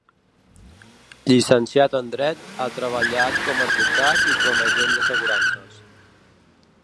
Llicenciat en dret, ha treballat com a advocat i com a agent d'assegurances.